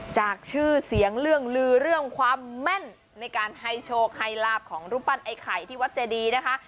จากชื่อเสียงเรื่องลือเรื่องความแม่นในการให้โชคให้ลาบของรูปปั้นไอ้ไข่ที่วัดเจดีนะคะ